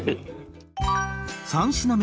３品目